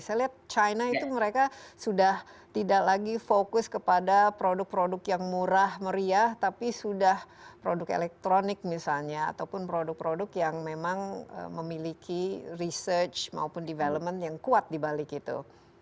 saya lihat china itu mereka sudah tidak lagi fokus kepada produk produk yang murah meriah tapi sudah produk elektronik misalnya ataupun produk produk yang memang memiliki research maupun development yang kuat dibalik itu